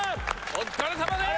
お疲れさまです！